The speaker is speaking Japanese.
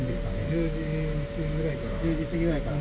１０時過ぎぐらいから？